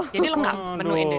jadi lengkap menu indonesia